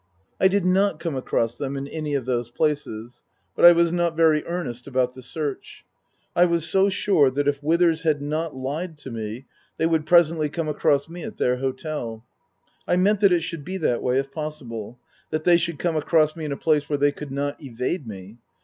I did not come across them in any of those places ; but I was not very earnest about the search. I was so sure that if Withers had not lied to me they would pre sently come across me at their hotel. I meant that it should be that way, if possible : that they should come across me in a place where they could not evade me.